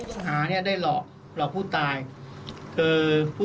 เจอที่เกิดเหตุ